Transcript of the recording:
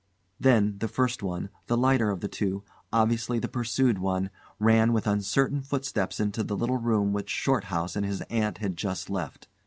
Then the first one, the lighter of the two, obviously the pursued one, ran with uncertain footsteps into the little room which Shorthouse and his aunt had just left.